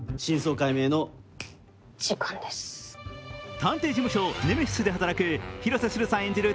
探偵事務所、ネメシスで働く広瀬すずさん演じる